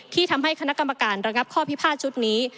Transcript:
ที่ทำให้คณะกรรมการระงับข้อพิพาทชุดนี้